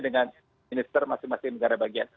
dengan minister masing masing negara bagian